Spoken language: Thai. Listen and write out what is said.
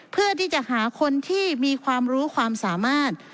เพื่อที่จะหาคนที่มีความรู้ความสามารถ